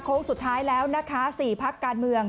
สุดท้ายแล้วนะคะ๔พักการเมือง